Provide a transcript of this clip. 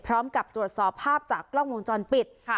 พร้อมกับตรวจสอบภาพจากกล้องวงจรปิด